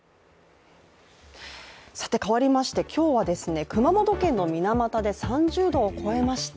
さて、変わりまして今日は熊本県の水俣で３０度を超えまして